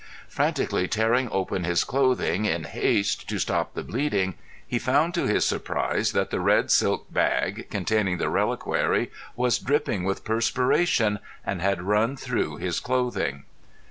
Frantically tearing open his clothing in haste to stop the bleeding he found to his surprise that the red silk bag, containing the reliquary was dripping with perspiration and had run through his clothing.